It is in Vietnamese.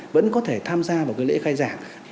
vẫn có thể tham gia vào cái lễ khai giảng